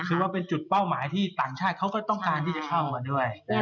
คือว่าเป็นจุดเป้าหมายที่ต่างชาติเขาก็ต้องการที่จะเข้ามาด้วย